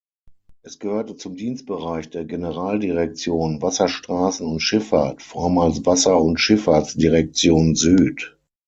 Es gehörte zum Dienstbereich der Generaldirektion Wasserstraßen und Schifffahrt, vormals Wasser- und Schifffahrtsdirektion Süd.